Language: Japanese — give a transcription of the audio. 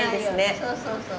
そうそうそう。